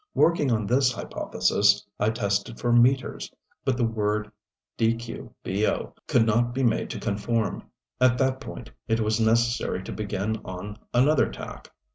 Working on this hypothesis I tested for "meters" but the word "dqbo" could not be made to conform. At that point it was necessary to begin on another tack.